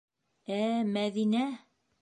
Ә-ә, Мәҙинә!